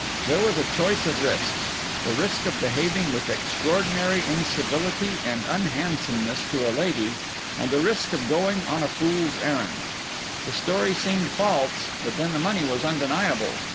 There was a choice of risks: the risk of behaving with extraordinary incivility and unhandsomeness to a lady, and the risk of going on a fool's errand. The story seemed false; but then the money was undeniable.